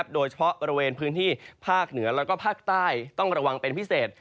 โดยเฉพาะบริเวณพื้นที่ภาคเหนือแล้วก็ภาคใต้ต้องระวังเป็นพิเศษ